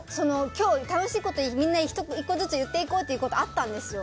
今日、楽しいことをみんな１個ずつ言っていこうというのがあったんですよ。